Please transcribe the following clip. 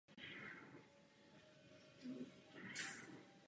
Vyrůstal v zemědělské rodině a zpočátku působil v zemědělských družstvech.